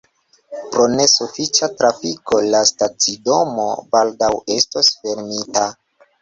Pro ne sufiĉa trafiko, la stacidomo baldaŭ estos fermita.